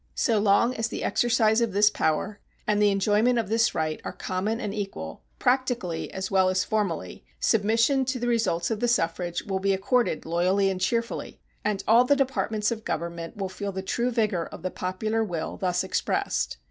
So long as the exercise of this power and the enjoyment of this right are common and equal, practically as well as formally, submission to the results of the suffrage will be accorded loyally and cheerfully, and all the departments of Government will feel the true vigor of the popular will thus expressed.